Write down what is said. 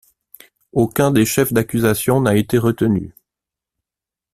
Aucun des chefs d'accusation n'a été retenu.